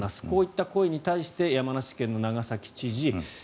こういった声に対して山梨県の長崎知事。